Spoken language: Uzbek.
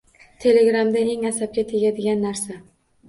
Telegramda eng asabga tegadigan narsa